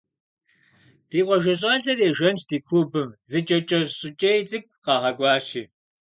Ди къуажэ щӏалэр ежэнщ ди клубым зы кӏэ кӏэщӏ щӏыкӏей цӏыкӏу къагъэкӏуащи.